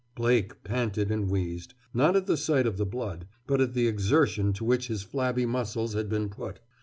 Blake panted and wheezed, not at the sight of the blood, but at the exertion to which his flabby muscles had been put.